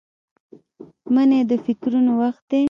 منی د فکرونو وخت دی